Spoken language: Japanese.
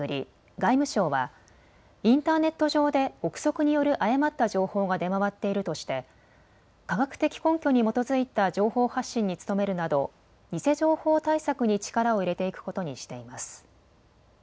外務省はインターネット上で臆測による誤った情報が出回っているとして科学的根拠に基づいた情報発信に努めるなど偽情報対策に力を入れていくことにしています。